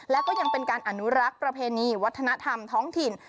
และก็ยังเป็นการอนุรักษ์ประเพณีวัฒนธรรมท้องถิ่น